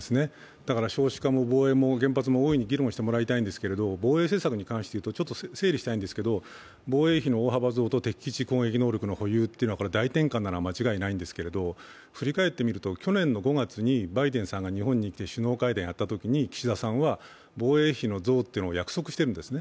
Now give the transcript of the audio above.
だから少子化も防衛も原発も大いに議論してもらいたいんですけど防衛政策について言うと、整理したいんですけど、防衛費の大幅増と敵基地攻撃能力の保有は大転換なのは間違いないんですが振り返ってみると、去年の５月にバイデンさんが日本に来て首脳会談やったときに岸田さんは防衛費の増を約束してるんですね。